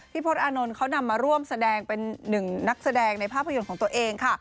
พจน์อานนท์เขานำมาร่วมแสดงเป็นหนึ่งนักแสดงในภาพยนตร์ของตัวเองค่ะ